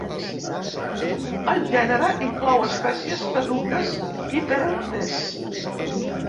El gènere inclou espècies caduques i perennes.